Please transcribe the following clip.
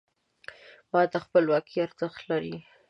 ما ته خپلواکي ارزښت لري .